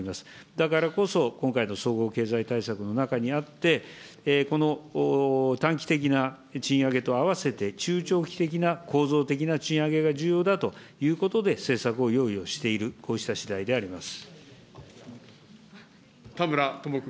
だからこそ、今回の総合経済対策の中にあって、この短期的な賃上げと併せて、中長期的な構造的な賃上げが重要だということで、政策を用意している、田村智子君。